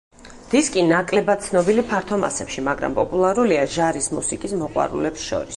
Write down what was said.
დისკი ნაკლებად ცნობილი ფართო მასებში, მაგრამ პოპულარულია ჟარის მუსიკის მოყვარულებს შორის.